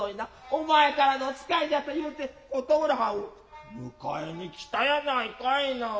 お前からの使いじゃと言うて琴浦はんを迎えに来たやないかいなァ。